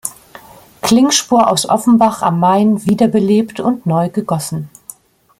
Klingspor aus Offenbach am Main wiederbelebt und neu gegossen.